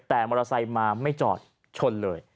แต่มอเตอร์ไซค์มาไม่จอดชนเลย